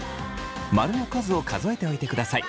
○の数を数えておいてください。